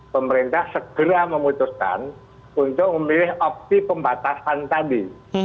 pemerintah segera memutuskan untuk memilih opsi pembatasan tadi